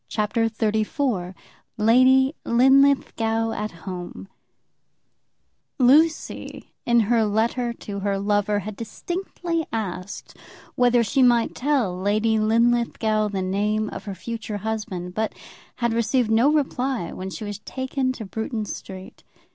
CHAPTER XXXIV Lady Linlithgow at Home Lucy, in her letter to her lover, had distinctly asked whether she might tell Lady Linlithgow the name of her future husband, but had received no reply when she was taken to Bruton Street.